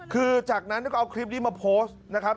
คือจากนั้นก็เอาคลิปนี้มาโพสต์นะครับ